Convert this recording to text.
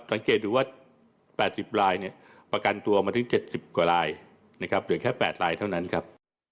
สังเกตหรือว่า๘๐รายประกันตัวมาถึง๗๐กว่ารายเหลือแค่๘รายเท่านั้นครับ